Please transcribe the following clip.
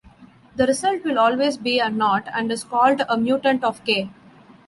The result will always be a knot and is called a mutant of "K".